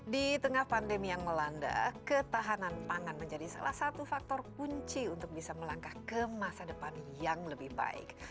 di tengah pandemi yang melanda ketahanan pangan menjadi salah satu faktor kunci untuk bisa melangkah ke masa depan yang lebih baik